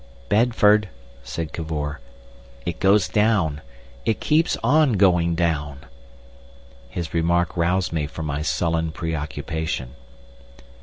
"Bedford," said Cavor, "it goes down. It keeps on going down." His remark roused me from my sullen pre occupation.